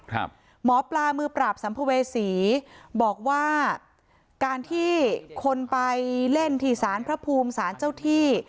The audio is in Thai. หมอปลามือปราบสัมภเวษีบอกว่าการที่คนไปเล่นที่สารพระภูมิสารเจ้าที่